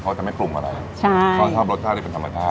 เขาจะไม่ปรุงอะไรใช่เขาชอบรสชาติที่เป็นธรรมชาติ